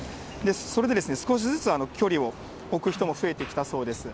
それで少しずつ距離を置く人も増えてきたそうです。